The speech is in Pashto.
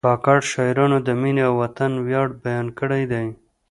کاکړ شاعرانو د مینې او وطن ویاړ بیان کړی دی.